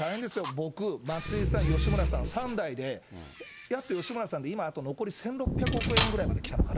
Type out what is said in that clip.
僕、松井さん、吉村さん、３代で、やっと吉村さんで、今あと残り１６００億円ぐらいまできたのかな。